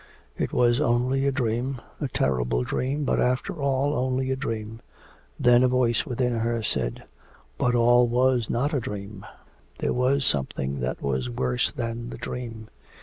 'It was only a dream, a terrible dream, but after all only a dream!' Then a voice within her said, 'But all was not a dream there was something that was worse than the dream.'